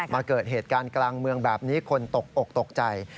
เกิดเหตุการณ์กลางเมืองแบบนี้คนตกอกตกใจ